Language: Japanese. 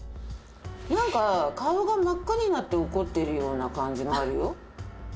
なんか顔が真っ赤になって怒ってるような感じがあるよ。